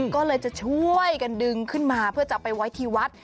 ก็เลยจะช่วยกันดึงขึ้นมาเพื่อจะไปไว้ที่วัด